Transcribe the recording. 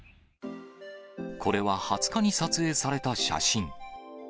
これは２０日に撮影された写真。